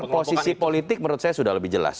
posisi politik menurut saya sudah lebih jelas